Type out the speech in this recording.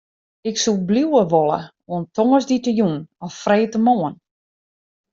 Ik soe bliuwe wolle oant tongersdeitejûn of freedtemoarn.